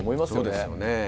そうですよね。